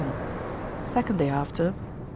. 7 Second day after .